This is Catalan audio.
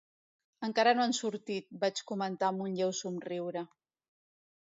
Encara no han sortit, vaig comentar amb un lleu somriure.